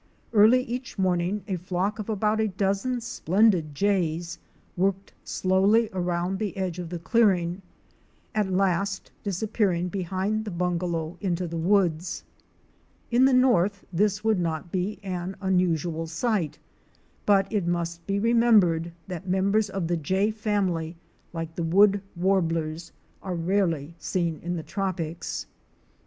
Early each morning a flock of about a dozen splendid Jays worked slowly around the edge of the clearing, at last disappearing behind the bungalow into the woods. In the north this would not be an unusual sight, but it must be remembered that members of the Jay family, like the Wood Warblers, are rarely seen in the tropics.